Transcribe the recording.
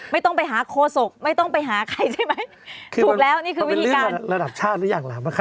ไม่ต้องไปหาโคศกไม่ต้องไปหาใครใช่ไหม